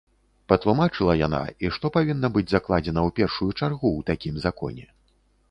Патлумачыла яна, і што павінна быць закладзена ў першую чаргу ў такім законе.